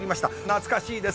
懐かしいですね